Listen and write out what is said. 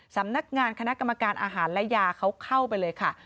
สำนักงานคณะกรรมการอาหารและยาเขาเข้าไปเลยค่ะ